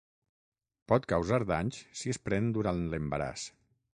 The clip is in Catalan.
Pot causar danys si es pren durant l'embaràs.